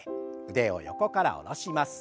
腕を横から下ろします。